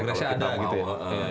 progresnya ada gitu ya